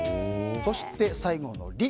そして、最後の「り」。